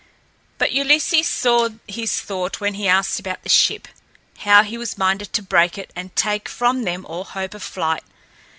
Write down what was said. But Ulysses saw his thought when he asked about the ship, how he was minded to break it and take from them all hope of flight.